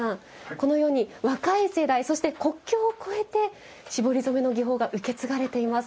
このように若い世代そして国境を越えて絞り染めの技法が受け継がれています。